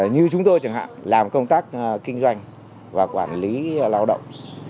như chúng tôi chẳng hạn làm công tác kinh doanh và quản lý lao động